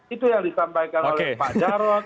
itu yang disampaikan oleh pak jarod